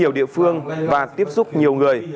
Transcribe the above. đi đến nhiều địa phương và tiếp xúc nhiều người